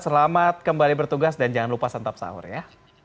selamat kembali bertugas dan jangan lupa santap sahur ya